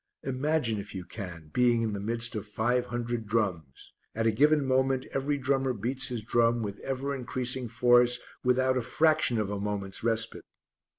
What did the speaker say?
Imagine, if you can, being in the midst of five hundred drums. At a given moment every drummer beats his drum with ever increasing force without a fraction of a moment's respite.